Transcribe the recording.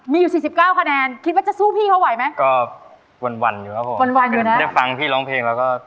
มีอยู่๔๙คะแนนคิดว่าซู้ด้วยพี่เขาดีป่ะ